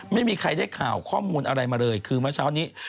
ไม่มีใครได้ข่าวข้อมูลอะไรมาเลยคือเมื่อเช้านี้